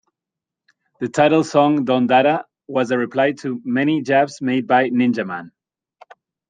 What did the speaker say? The title song, "Don Dada" was a reply to many jabs made by Ninjaman.